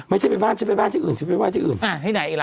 ไม่ใช่ไปบ้านฉันไปบ้านที่อื่นฉันไปไห้ที่อื่นที่ไหนล่ะ